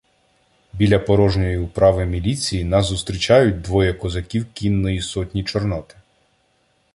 Біля порожньої управи міліції нас зустрічають двоє козаків кінної сотні Чорноти.